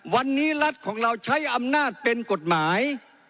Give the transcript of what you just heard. วันนี้รัฐของเราใช้อำนาจเป็นกฎหมาย